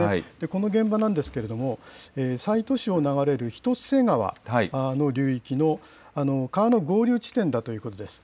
この現場なんですけれども、西都市を流れるひとせ川の流域の川の合流地点だということです。